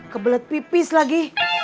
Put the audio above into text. kebelet pipis lagi